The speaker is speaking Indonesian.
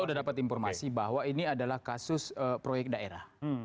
saya sudah dapat informasi bahwa ini adalah kasus proyek daerah